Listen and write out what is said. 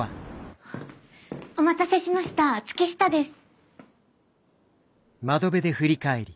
お待たせしました月下です。